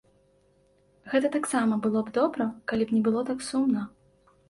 Гэта таксама было б добра, калі б не было так сумна.